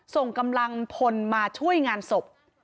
ส่งกำลังพลมาช่วยงานศพ